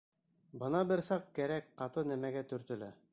Бына бер саҡ кәрәк ҡаты нәмәгә төртөлә.